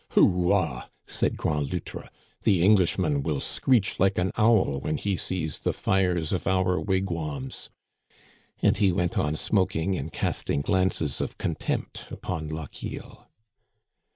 " Houa !" said Grand Loutre, " the Englishman will screech like an owl when he sees the fires of our wigwams." And he went on smoking and casting glances of contempt upon Lochiel.